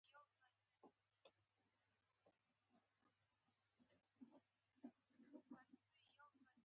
اوسنیو پوهنو تکیه وکوي.